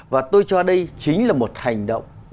và tôi cho đây chính là một hành động